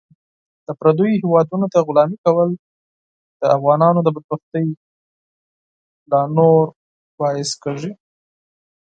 د پردیو هیوادونو ته غلامي کول د افغانانو د بدبختۍ لا نور باعث کیږي .